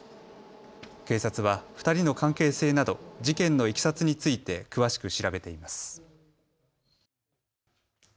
警察は２人の関係性など事件のいきさつについて詳しく調べています。